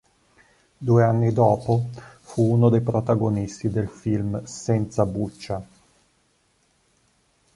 Due anni dopo fu uno dei protagonisti del film "Senza buccia".